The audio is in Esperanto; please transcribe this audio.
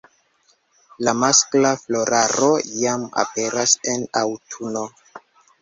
La maskla floraro jam aperas en aŭtuno.